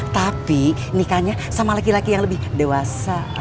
tapi nikahnya sama laki laki yang lebih dewasa